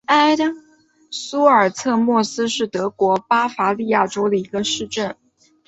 苏尔策莫斯是德国巴伐利亚州的一个市镇。